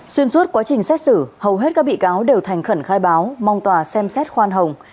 xuyên suốt quá trình xét xử hầu hết các bị cáo đều thành khẩn khai báo mong tòa xem xét khoan hồng